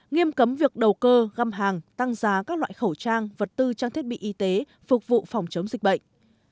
nghiêm cấm việc đầu cơ găm hàng tăng giá các loại khẩu trang vật tư trang thiết bị y tế phục vụ phòng chống dịch bệnh